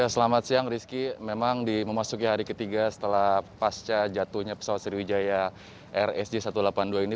selamat siang rizky memang di memasuki hari ketiga setelah pasca jatuhnya pesawat sriwijaya rsj satu ratus delapan puluh dua ini